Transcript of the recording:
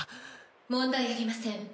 問題ありません。